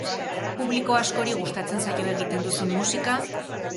Publiko askori gustatzen zaio egiten duzun musika?